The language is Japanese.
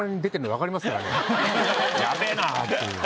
やべぇなっていう。